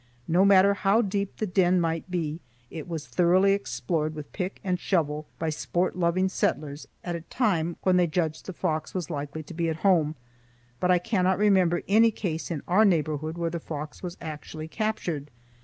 No matter how deep the den might be, it was thoroughly explored with pick and shovel by sport loving settlers at a time when they judged the fox was likely to be at home, but I cannot remember any case in our neighborhood where the fox was actually captured.